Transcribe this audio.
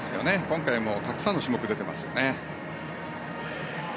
今回もたくさんの種目に出てますよね。